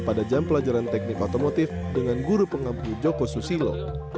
pada jam pelajaran teknik otomotif dengan guru pengampu joko susilo